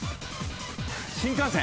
新幹線！